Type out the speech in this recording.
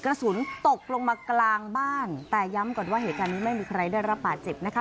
กระสุนตกลงมากลางบ้านแต่ย้ำก่อนว่าเหตุการณ์นี้ไม่มีใครได้รับบาดเจ็บนะคะ